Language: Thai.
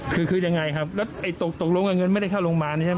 คือคือยังไงครับแล้วไอ้ตกตกลงกับเงินไม่ได้เข้าโรงพยาบาลใช่ไหม